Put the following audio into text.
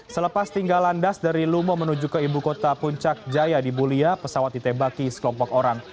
selepas tinggal landas dari lumo menuju ke ibu kota puncak jaya di bulia pesawat ditebaki sekelompok orang